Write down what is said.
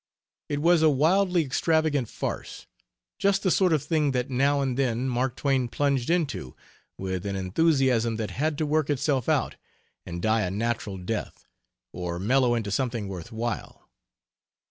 It was a wildly extravagant farce just the sort of thing that now and then Mark Twain plunged into with an enthusiasm that had to work itself out and die a natural death, or mellow into something worth while.